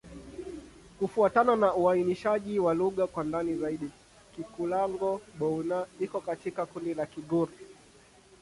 Kufuatana na uainishaji wa lugha kwa ndani zaidi, Kikulango-Bouna iko katika kundi la Kigur.